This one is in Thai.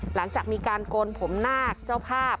หลังจากมีการโกนผมนาคเจ้าภาพ